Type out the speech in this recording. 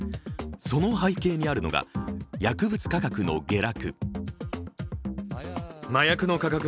その背景にあるのが、薬物価格の下落。